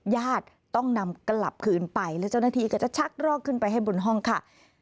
ญาติต้องนำกลับคืนไปแล้วเจ้าหน้าที่ก็จะชักรอกขึ้นไปให้บนห้องค่ะ